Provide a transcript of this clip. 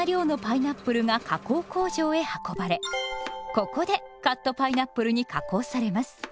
ここでカットパイナップルに加工されます。